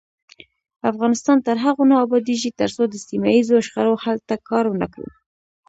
افغانستان تر هغو نه ابادیږي، ترڅو د سیمه ییزو شخړو حل ته کار ونکړو.